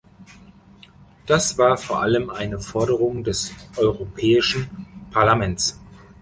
Das war vor allem eine Forderung des Europäischen Parlaments.